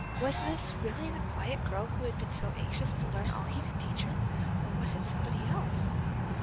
Was this really the quiet girl who had been so anxious to learn all he could teach her, or was it somebody else?